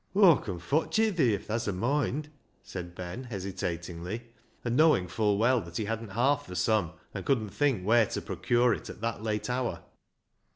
" Aw con fotch it thi, if tha's a moind," said Ben hesitatingly, and knowing full well that he hadn't half the sum, and couldn't think where to procure it at that late hour.